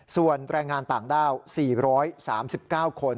ส่วนแรงงานต่างด้าว๔๓๙คน